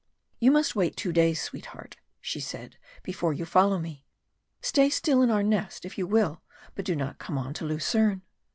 "You must wait two days, sweetheart," she said, "before you follow me. Stay still in our nest if you will, but do not come on to Lucerne."